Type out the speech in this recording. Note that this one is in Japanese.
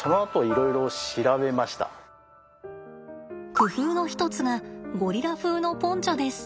工夫の一つがゴリラ風のポンチョです。